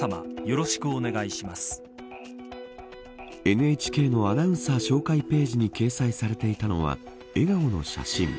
ＮＨＫのアナウンサー紹介ページに掲載されていたのは笑顔の写真。